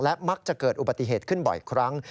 มักจะเกิดอุบัติเหตุขึ้นบ่อยครั้ง